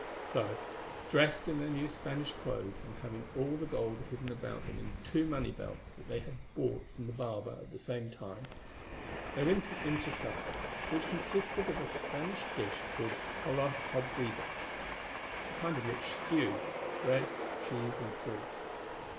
So, dressed in their new Spanish clothes, and having all the gold hidden about them in two money belts that they had bought from the barber at the same time, they went in to supper, which consisted of a Spanish dish called olla podrida—a kind of rich stew—bread, cheese, and fruit.